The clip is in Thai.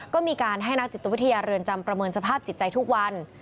ก็มีการให้นักจิตวิทยาเรือนจำประเมินสภาพจิตใจทุกวัน